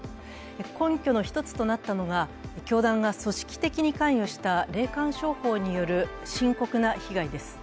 根拠の１つとなったのが、教団が組織的に関与した霊感商法による深刻な被害です。